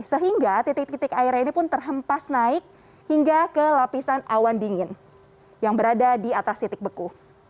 sehingga titik titik airnya ini pun terhempas naik hingga ke lapisan awan dingin yang berada di atas titik beku